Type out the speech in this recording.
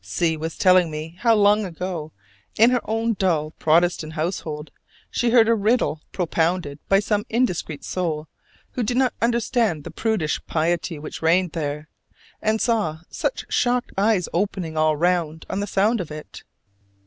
C was telling me how long ago, in her own dull Protestant household, she heard a riddle propounded by some indiscreet soul who did not understand the prudish piety which reigned there: and saw such shocked eyes opening all round on the sound of it.